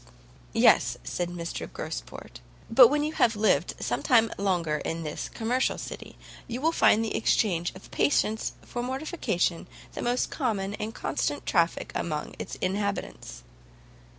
"Yes," said Mr Gosport; "but when you have lived some time longer in this commercial city, you will find the exchange of patience for mortification the most common and constant traffic amongst its inhabitants."